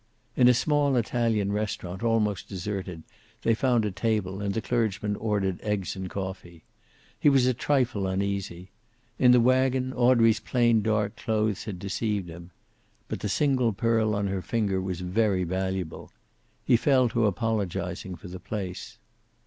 In a small Italian restaurant, almost deserted, they found a table, and the clergyman ordered eggs and coffee. He was a trifle uneasy. In the wagon Audrey's plain dark clothes had deceived him. But the single pearl on her finger was very valuable. He fell to apologizing for the place.